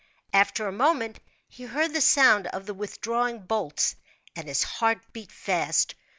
After a moment, he heard the sound of the withdrawing bolts, and his heart beat fast.